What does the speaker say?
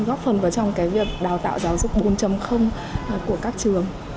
góp phần vào trong cái việc đào tạo giáo dục bốn của các trường